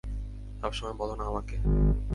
সবসময় বলনা আমাকে?